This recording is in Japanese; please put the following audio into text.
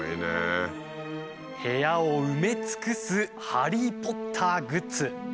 部屋を埋め尽くす「ハリー・ポッター」グッズ。